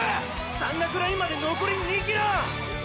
山岳ラインまでのこり２ｋｍ！！